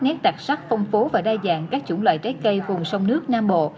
nhét đặc sắc phong phố và đa dạng các chủng loại trái cây vùng sông nước nam bộ